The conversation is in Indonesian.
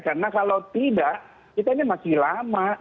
karena kalau tidak kita ini masih lama